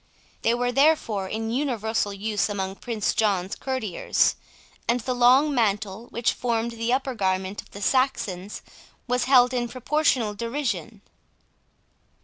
They were therefore in universal use among Prince John's courtiers; and the long mantle, which formed the upper garment of the Saxons, was held in proportional derision.